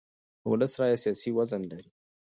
د ولس رایه سیاسي وزن لري